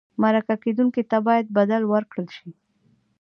مرکه کېدونکي ته باید بدل ورکړل شي.